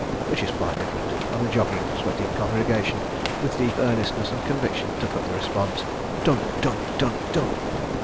which is quite different, and the jogging, sweating congregation, with deep earnestness and conviction, took up the response: "Tunk Tunk Tunk Tunk!"